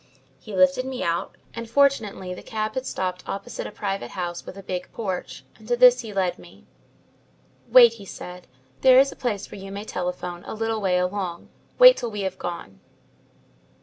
He lifted me out, and fortunately the cab had stopped opposite a private house with a big porch, and to this he led me. "'Wait,' he said. 'There is a place where you may telephone a little way along. Wait till we have gone."